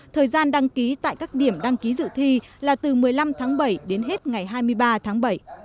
thời gian đăng ký tại các điểm đăng ký dự thi là từ một mươi năm tháng bảy đến hết ngày hai mươi ba tháng bảy